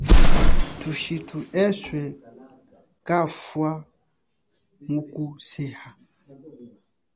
Thushithu eswe kafa muku seha.